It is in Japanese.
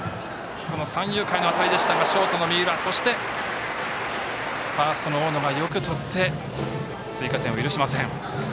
三遊間への当たりでしたがショートの三浦そしてファーストの大野がよくとって追加点を許しません。